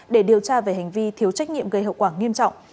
để điều tra về hành vi thiếu trách nhiệm gây hậu quả nghiêm trọng